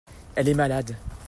Elle est malade.